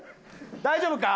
大丈夫か？